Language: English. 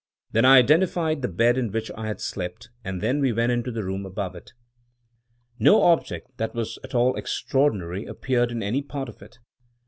Then I identified the bed in which I had slept, and then we went into the room above. No object that was at all extraordinary appeared in any part of it.